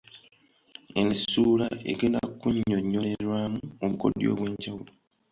Eno essuula egenda kunnyonnyolerwamu obukodyo obw’enjawulo.